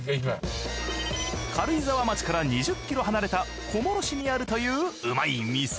軽井沢町から２０ｋｍ離れた小諸市にあるといううまい店。